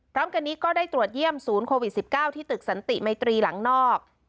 พร้อมกันนี้ก็ได้ตรวจเยี่ยมศูนย์โควิด๑๙ที่ตึกสันติมัยตรีหลังนอก